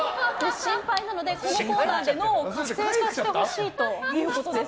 心配なので、このコーナーで脳を活性化してほしいということです。